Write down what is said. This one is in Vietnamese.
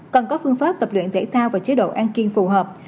cần có phương pháp tập luyện thể thao và chế độ an kiên phù hợp